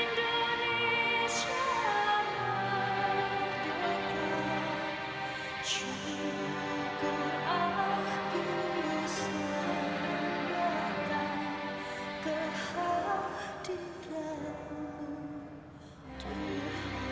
dan kepala cu empat a angkatan bersenjata singapura